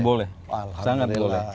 boleh sangat boleh